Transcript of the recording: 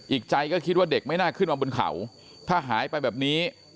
อีกใจก็คิดว่าเด็กไม่น่าขึ้นมาบนเขาถ้าหายไปแบบนี้